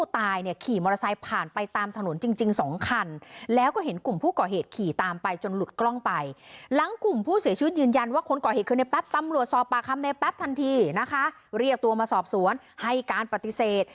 ตรวจสอบปลาคำในแป๊บทันทีนะคะเรียกตัวมาสอบสวนให้การปฏิเสธ